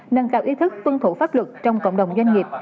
nâng cao ý thức tuân thủ pháp luật trong cộng đồng doanh nghiệp